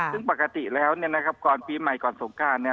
ซึ่งปกติแล้วก่อนปีใหม่ก่อนสงการ